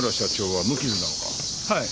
はい。